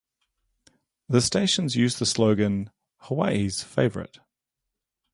The stations use the slogan, Hawaii's Favorite.